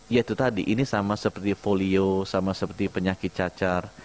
ya itu tadi ini sama seperti polio sama seperti penyakit cacar